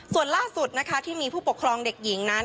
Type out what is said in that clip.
ส่วนล่าสุดนะคะที่มีผู้ปกครองเด็กหญิงนั้น